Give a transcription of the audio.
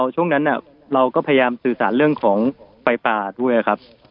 ช่วงนั้นเราก็พยายามสื่อสารเรื่องของไฟป่าด้วยครับ